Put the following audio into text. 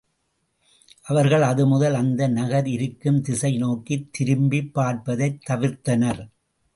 அவர்கள் அது முதல் அந்த நகர் இருக்கும் திசை நோக்கித் திரும்பிப் பார்ப்பதைத் தவிர்த்தனர்.